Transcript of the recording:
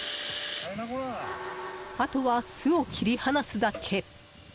あとは、巣を切り離すだけ。